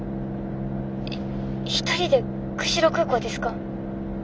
一人で釧路空港ですか？